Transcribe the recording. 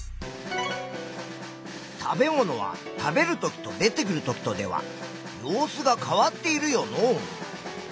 食べ物は食べるときと出てくるときとでは様子が変わっているよのう。